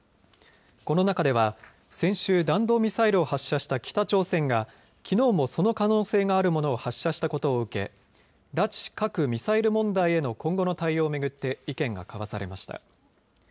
この中では、先週、弾道ミサイルを発射した北朝鮮が、きのうもその可能性があるものを発射したことを受け、拉致、核・ミサイル問題への今後の対応を巡って、意見が交わされました。